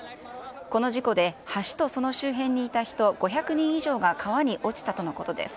この事故で、橋とその周辺にいた人、５００人以上が川に落ちたとのことです。